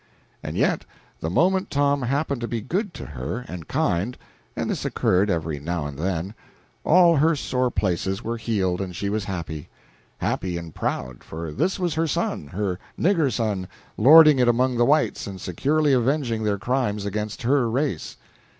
And yet the moment Tom happened to be good to her, and kind, and this occurred every now and then, all her sore places were healed, and she was happy; happy and proud, for this was her son, her nigger son, lording it among the whites and securely avenging their crimes against her race.